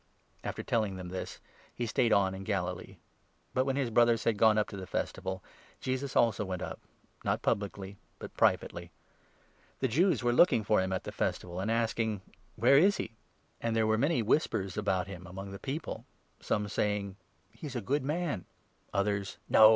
After telling them this, he stayed on in Galilee. 9 But, when his brothers had gone up to the Festival, Jesus 10 also went up — not publicly, but privately. The Jews were n looking for him at the Festival and asking 'Where is he?'; and 12 there were many whispers about him among the people, some saying ' He is a good man ;' others :' No